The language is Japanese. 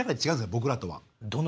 僕らとは。